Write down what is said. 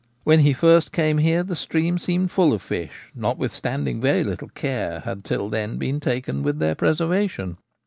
When he first came here the stream seemed full of fish, notwithstanding very little care had till then been taken with their preservation.